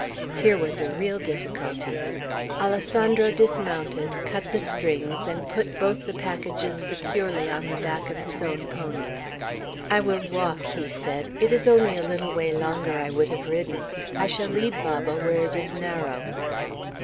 Here was a real difficulty. Alessandro dismounted, cut the strings, and put both the packages securely on the back of his own pony. "I will walk," he said. "It was only a little way longer I would have ridden. I shall lead Baba, where it is narrow."